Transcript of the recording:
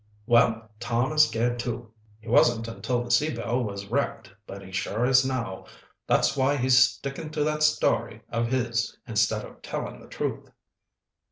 "Well, Tom is scared, too. He wasn't, until the Sea Belle was wrecked, but he sure is now. That's why he's sticking to that story of his instead of telling the truth."